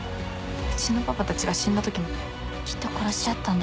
「うちのパパたちが死んだときもきっと殺し合ったんだよ」